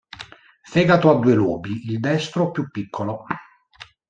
Fegato a due lobi, il destro più piccolo.